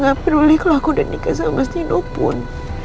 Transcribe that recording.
nggak peduli kalau aku udah nikah sama mas nino pun